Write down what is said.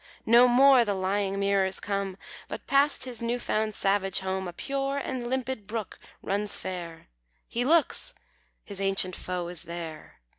No more the lying mirrors come, But past his new found savage home A pure and limpid brook runs fair. He looks. His ancient foe is there!